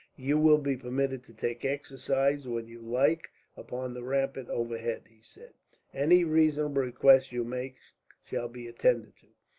"You will be permitted to take exercise, when you like, upon the rampart overhead," he said. "Any reasonable request you make shall be attended to.